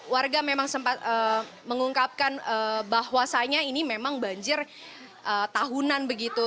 warga memang sempat mengungkapkan bahwasannya ini memang banjir tahunan begitu